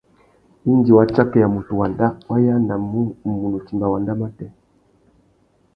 Indi wa tsakeya mutu wanda, wa yānamú munú timba wanda matê.